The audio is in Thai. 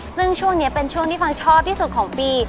ซึ่งช่วงนี้เป็นช่วงที่ฟังชอบที่สุดของปี